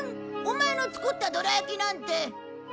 オマエの作ったどら焼きなんて。